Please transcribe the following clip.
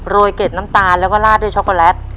ยเกร็ดน้ำตาลแล้วก็ลาดด้วยช็อกโกแลต